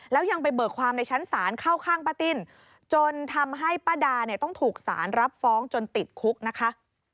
แล้วยังไปเบิกความในชั้นศาลเข้าข้างป้าติ้นจนทำให้ป้าดาเนี่ยต้องถูกสารรับฟ้องจนติดคุกนะคะ